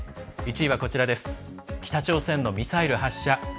１位は、北朝鮮のミサイル発射。